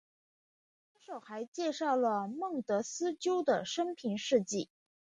卷首还介绍孟德斯鸠的生平事迹。